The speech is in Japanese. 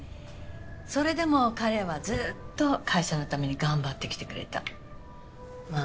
それでも彼はずっと会社のために頑張ってきてくれたまあ